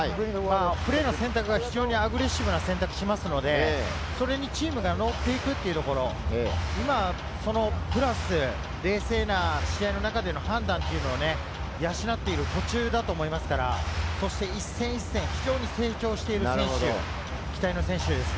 プレーの選択は非常にアグレッシブな選択をしますので、それにチームがのっていくというところ、プラス、冷静な試合の中での判断というのが養っている途中だと思いますから、一戦一戦、非常に成長してる選手、期待の選手です。